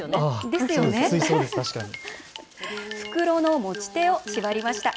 袋の持ち手を縛りました。